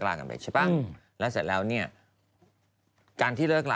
กินน้ำเยอะเธอให้อยู่กับตัวเอง